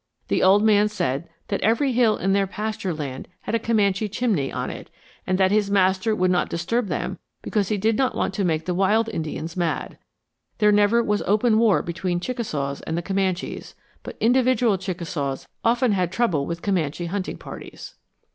"The old man said that every hill in their pasture had a Comanche chimney on it and that his master would not disturb them because he did not want to make the wild Indians mad. There never was open war between the Chickasaws and the Comanches, but individual Chickasaws often had trouble with Comanche hunting parties.